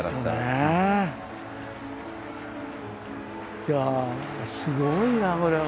いやあすごいなこれは。